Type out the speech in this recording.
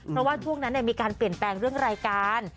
เพราะว่าช่วงนั้นมีการเปลี่ยนแปลงเรื่องรายการ